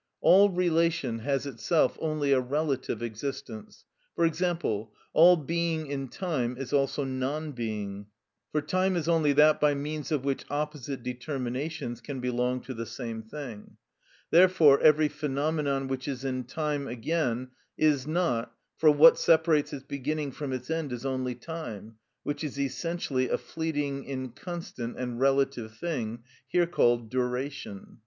All relation has itself only a relative existence; for example, all being in time is also non being; for time is only that by means of which opposite determinations can belong to the same thing; therefore every phenomenon which is in time again is not, for what separates its beginning from its end is only time, which is essentially a fleeting, inconstant, and relative thing, here called duration.